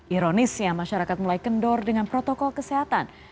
ironis ya masyarakat mulai kendor dengan protokol kesehatan